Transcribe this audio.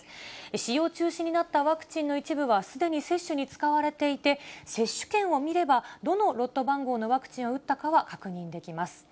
使用中止になったワクチンの一部はすでに接種に使われていて、接種券を見れば、どのロット番号のワクチンを打ったかは確認できます。